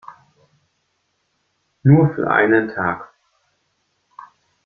Nur für einen Tag.